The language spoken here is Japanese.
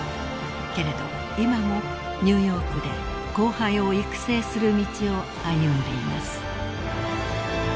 ［けれど今もニューヨークで後輩を育成する道を歩んでいます］